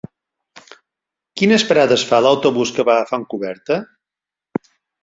Quines parades fa l'autobús que va a Fontcoberta?